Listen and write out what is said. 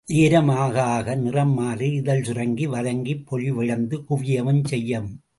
நேரம் ஆக ஆக நிறம் மாறி இதழ் சுருங்கி வதங்கிப் பொலிவிழந்து குவியவும் செய்யும்.